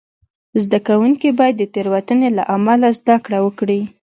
زده کوونکي باید د تېروتنې له امله زده کړه وکړي.